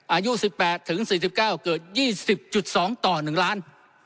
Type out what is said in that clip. อายุ๑๘ถึง๔๙เกิด๒๐๒ต่อ๑ล้าน